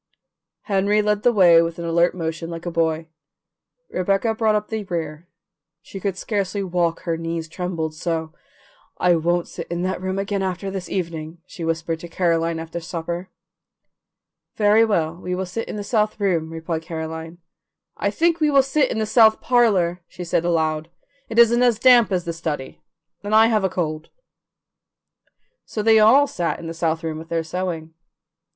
Henry led the way with an alert motion like a boy; Rebecca brought up the rear; she could scarcely walk, her knees trembled so. "I can't sit in that room again this evening," she whispered to Caroline after supper. "Very well, we will sit in the south room," replied Caroline. "I think we will sit in the south parlour," she said aloud; "it isn't as damp as the study, and I have a cold." So they all sat in the south room with their sewing.